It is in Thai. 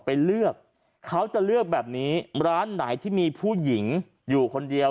ไปเลือกเขาจะเลือกแบบนี้ร้านไหนที่มีผู้หญิงอยู่คนเดียว